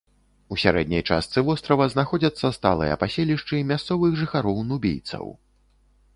У сярэдняй частцы вострава знаходзяцца сталыя паселішчы мясцовых жыхароў-нубійцаў.